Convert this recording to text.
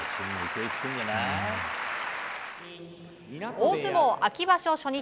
大相撲、秋場所初日。